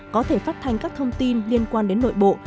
có thể phát thanh các thông tin liên quan đến nội bộ